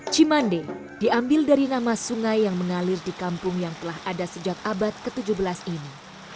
cimande diambil dari nama sungai yang mengalir di kampung yang telah ada sejak abad ke tujuh belas ini